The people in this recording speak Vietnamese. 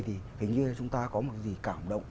thì hình như chúng ta có một gì cảm động